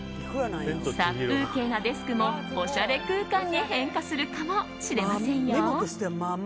殺風景なデスクもおしゃれ空間に変化するかもしれませんよ。